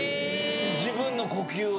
自分の呼吸を。